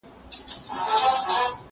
تېرېدل د سلطان مخي ته پوځونه